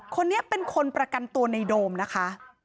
คนนี้เป็นคนประกันตัวในโดมนะคะ